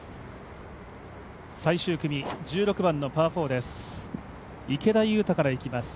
最終組、１６番のパー４です。